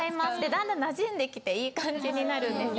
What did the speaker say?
段々なじんできていい感じになるんですよ。